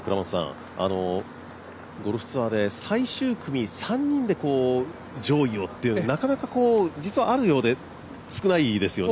ゴルフツアーで最終組、３人で上位をっていうのはなかなか実はあるようで少ないですよね。